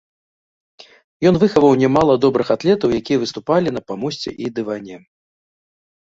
Ён выхаваў нямала добрых атлетаў, якія выступалі на памосце і дыване.